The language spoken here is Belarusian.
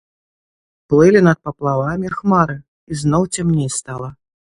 Плылі над паплавамі хмары, і зноў цямней стала.